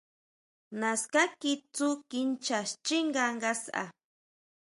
Naská kitsú kinchá xchínga ngasʼa.